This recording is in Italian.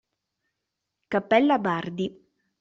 Cappella Bardi